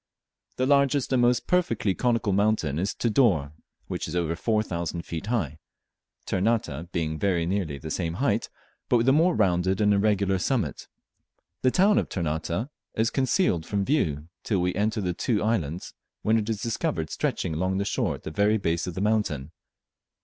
The largest and most perfectly conical mountain is Tidore, which is over four thousand Feet high Ternate being very nearly the same height, but with a more rounded and irregular summit. The town of Ternate is concealed from view till we enter between the two islands, when it is discovered stretching along the shore at the very base of the mountain.